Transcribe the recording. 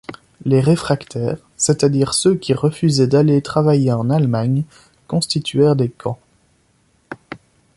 Les réfractaires, c'est-à-dire ceux qui refusaient d'aller travailler en Allemagne constituèrent des camps.